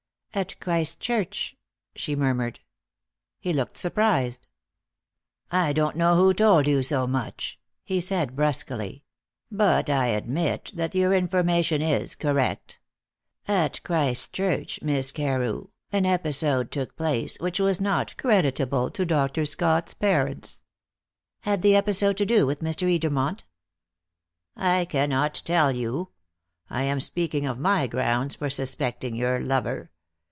"At Christchurch?" she murmured. He looked surprised. "I don't know who told you so much," he said brusquely, "but I admit that your information is correct. At Christchurch, Miss Carew, an episode took place which was not creditable to Dr. Scott's parents." "Had the episode to do with Mr. Edermont?" "I cannot tell you. I am speaking of my grounds for suspecting your lover.